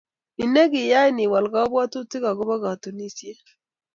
Ne nekiyain iwal kabwatutikuk akobo katunisiet